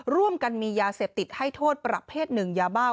ร่วมกันมียาเสพติดให้โทษประเภทหนึ่งยาบ้า